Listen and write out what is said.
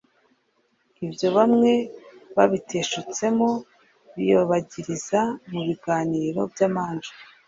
Ibyo bamwe babiteshutsemo biyobagiriza mu biganiro by’amanjwe